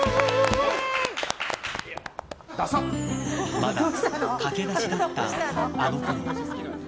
まだ駆け出しだったあのころ。